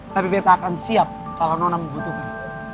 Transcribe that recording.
tapi betahakan siap kalau nona membutuhkan